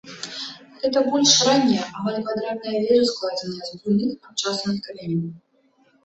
Гэта больш ранняя, амаль квадратная вежа складзена з буйных абчасаных камянёў.